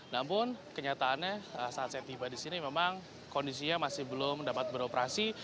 namun kenyataannya saat saya tiba di sini memang kondisinya masih belum dapat beroperasi